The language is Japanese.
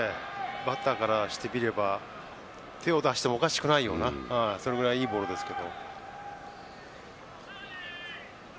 バッターからしてみれば手を出してもおかしくないようなそれぐらいいいボールですが。